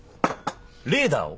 レーダーを。